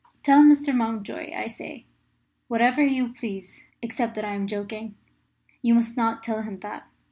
"Tell Mr. Mountjoy, I say, whatever you please, except that I am joking. You must not tell him that.